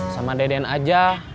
sama deden aja